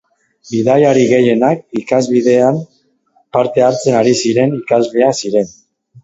Bidaiari gehienak ikasbidaian parte hartzen ari ziren ikasleak ziren.